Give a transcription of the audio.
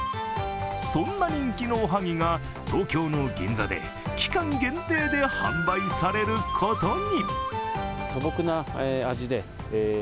そんな人気のおはぎが、東京の銀座で期間限定で販売されることに。